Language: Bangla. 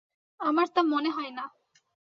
আমার তা মনে হয় না।